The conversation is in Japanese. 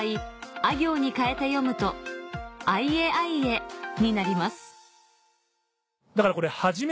あ行に変えて読むと「あいえあいえ」になりますだからこれ。